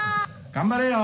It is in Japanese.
頑張れよ！